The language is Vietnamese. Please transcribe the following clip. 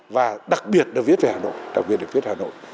và đặc biệt là viết về hà nội đặc biệt là viết hà nội